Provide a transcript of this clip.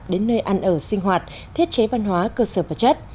đến nơi ăn ở sinh hoạt thiết chế văn hóa cơ sở vật chất